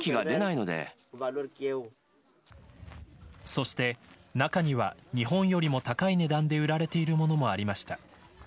そして、中には日本よりも高い値段で売られているものもありました。